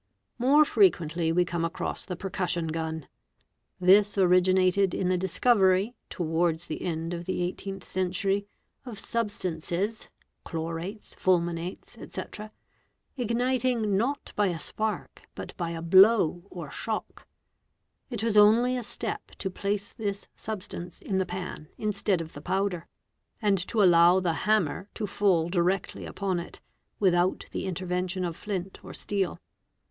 | More frequently we come across the percussion gun. 'This originated _ in the discovery, towards the end of the 18th century, of substances (chlorates, fulminates, etc.) igniting not by a spark but by a blow or shock. It was only a step to place this substance in the pan instead of the powder, and to allow the hammer to fall directly upon it, without the _ intervention of flint or steel.